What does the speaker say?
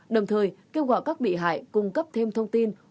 đồng thời kêu gọi các bị hại cung cấp thêm thông tin